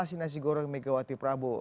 nasi nasi goreng megawati prabowo